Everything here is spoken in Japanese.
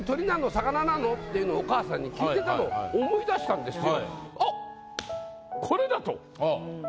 魚なの？」っていうのをお母さんに聞いてたのを思い出したんですよ。